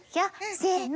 せの。